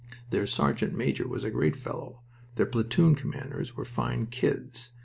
Their sergeant major was a great fellow! Their platoon commanders were fine kids!